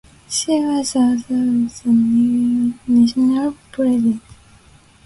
She was the author of the Nigerian national pledge.